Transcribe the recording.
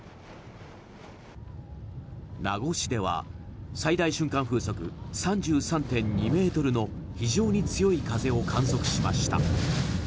名護市では最大瞬間風速３３．２メートルの非常に強い風を観測しました。